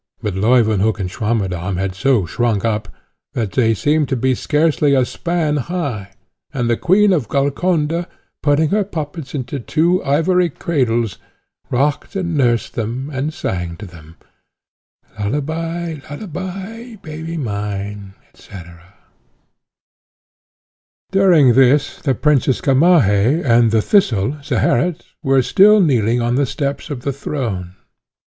But Leuwenhock and Swammerdamm had so shrunk up, that they seemed to be scarcely a span high, and the Queen of Golconda, putting her puppets into two ivory cradles, rocked and nursed them, and sang to them, Lullaby, lullaby, baby mine, &c. During this the Princess Gamaheh and the Thistle, Zeherit, were still kneeling on the steps of the throne.